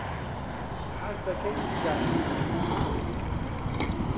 حەز دەکەین بزانین.